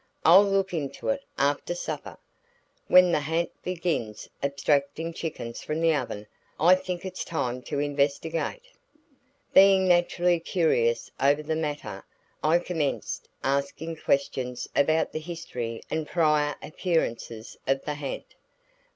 I'll look into it after supper. When the ha'nt begins abstracting chickens from the oven I think it's time to investigate." Being naturally curious over the matter, I commenced asking questions about the history and prior appearances of the ha'nt.